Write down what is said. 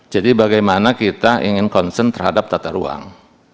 jadi bagaimana kita ingin konsen terhadap tata ruang